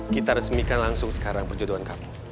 kita resmikan langsung sekarang perjodohan kamu